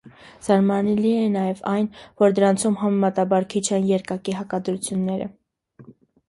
Զարմանալի է նաև այն, որ դրանցում համեմատաբար քիչ են երկակի հակադրությունները։